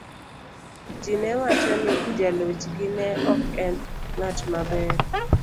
Ji ne wacho ni jalochgi ne ok en ng'at maber.